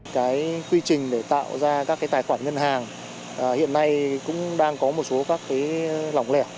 cái quy trình để tạo ra các cái tài khoản ngân hàng hiện nay cũng đang có một số các cái lỏng lẻ